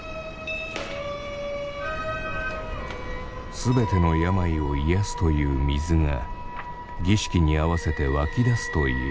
全ての病を癒やすという水が儀式に合わせて湧き出すという。